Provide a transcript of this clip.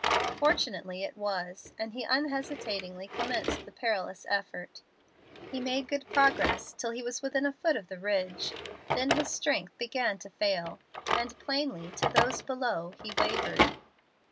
Fortunately it was, and he unhesitatingly commenced the perilous effort. He made good progress till he was within a foot of the ridge. Then his strength began to fail, and plainly to those below he wavered.